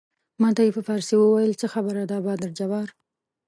ما ته یې په فارسي وویل څه خبره ده مادر جبار.